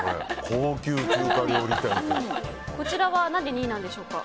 こちらはなぜ２位なんでしょうか。